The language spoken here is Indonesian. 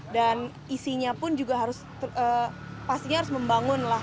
dan isinya pun juga harus pastinya harus membangun lah